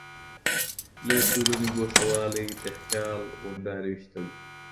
له ټولني ګوښه والی د خيال غونډاري ويشتل دي.